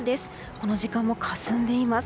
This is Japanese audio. この時間もかすんでいます。